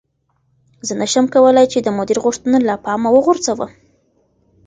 زه نشم کولی چې د مدیر غوښتنه له پامه وغورځوم.